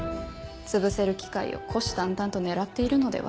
つぶせる機会を虎視眈々と狙っているのでは？